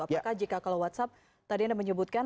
apakah jika kalau whatsapp tadi anda menyebutkan